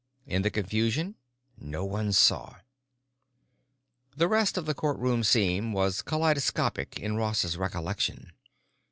In the confusion no one saw. The rest of the courtroom scene was kaleidoscopic in Ross's recollection.